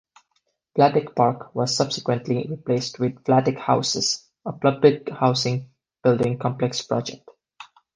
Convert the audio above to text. Vladeck Park was subsequently replaced with Vladeck Houses, a public housing building complex project.